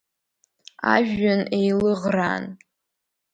Ажәҩан еилыӷраан.